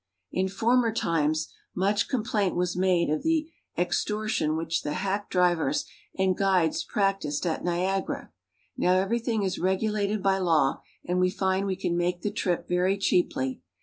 In former times much complaint was made of the extor tion which the hack drivers and guides practiced at Niagara. Now everything is regulated by law, and we find we can make the trip very cheaply.